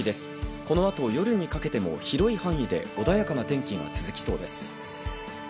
この後、夜にかけても広い範囲で穏やかな天気に包まれそうです。